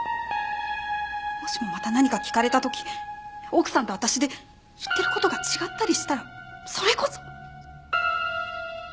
もしもまた何か聞かれた時奥さんと私で言ってる事が違ったりしたらそれこそ！